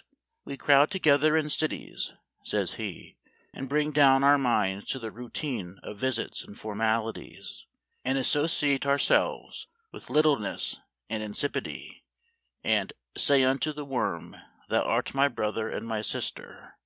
" We crowd together in cities," says he, "and bring down our minds to the routine of visits and formalities, and associate ourselves with littleness and insipidity, and ' say unto the worm, Thou art my brother and my sister.'